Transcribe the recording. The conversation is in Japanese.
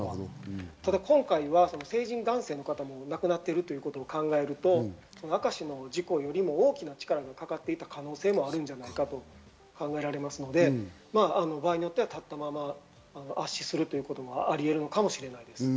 今回は成人男性の方も亡くなっているということを考えると、明石の事故よりも大きな力がかかっていた可能性もあるんじゃないかと考えられますので、場合によっては立ったまま圧死するということはありうるのかもしれません。